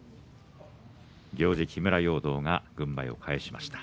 行司木村容堂が軍配を返しました。